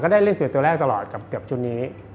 ได้เล่นสื่อตัวแรกตลอดกับเกือบชุดนี้